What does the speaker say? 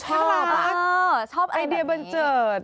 ชอบอ่ะชอบไอเดียบันเจิด